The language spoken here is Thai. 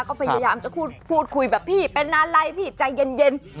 ก็พยายามจะพูดคุยแบบพี่เป็นอะไรพี่ใจเย็น